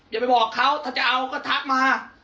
อย่าไปบอกเขาถ้าจะเอาก็ทักมา